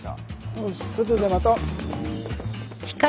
よし外で待とう。